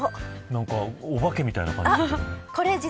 お化けみたいな感じ。